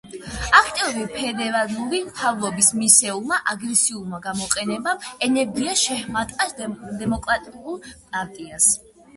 აქტიური ფედერალური მთავრობის მისეულმა აგრესიულმა გამოყენებამ ენერგია შეჰმატა დემოკრატიულ პარტიას.